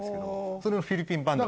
それのフィリピン版だと。